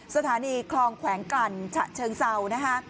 สถานีคลองแขวงกลั่นฉะเชิงเศร้านะคะ